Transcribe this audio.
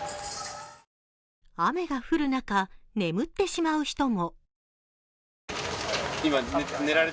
雨が降る中、眠ってしまう人も。